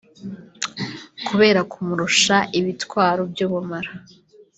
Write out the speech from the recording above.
kubera kumurusha ibitwaro by’ubumara